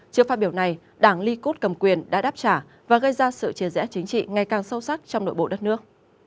trước phát biểu này đảng likud cầm quyền đã đáp trả và gây ra sự chia rẽ chính trị ngày càng sâu sắc trong nội bộ đất nước